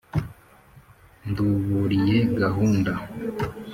nduburiye gahunda!